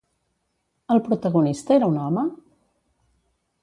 El protagonista era un home?